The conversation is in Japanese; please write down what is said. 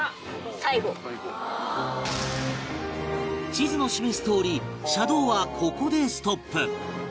地図の示すとおり車道はここでストップ